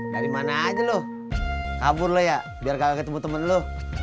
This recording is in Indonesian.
dari mana aja lo kabur lo ya biar gak ketemu temen lu